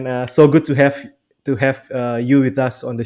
saya sangat menikmati semua show yang anda hadirkan